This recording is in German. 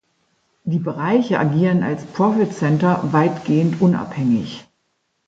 Die Bereiche agieren als Profitcenter weitgehend unabhängig.